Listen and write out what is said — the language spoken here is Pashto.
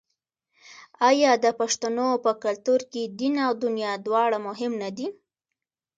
آیا د پښتنو په کلتور کې دین او دنیا دواړه مهم نه دي؟